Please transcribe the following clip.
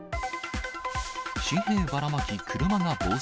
紙幣ばらまき車が暴走。